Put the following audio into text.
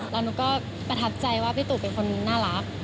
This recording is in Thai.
เราก็ประทับใจว่าปิตุเป็นน่ารัก